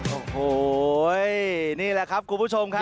โอ้โหนี่แหละครับคุณผู้ชมครับ